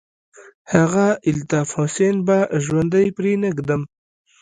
هغه الطاف حسين به ژوندى پرې نه ږدم.